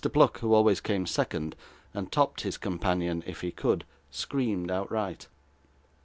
Pluck, who always came second, and topped his companion if he could, screamed outright.